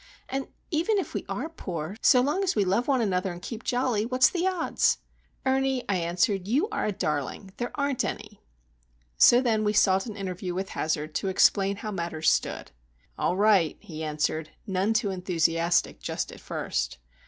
—And even if we are poor, so long as we love one another and keep jolly, what's the odds?" "Ernie," I answered, "you are a darling. There aren't any!" So then we sought an interview with Hazard to explain how matters stood. "All right," he answered, none too enthusiastic just at first.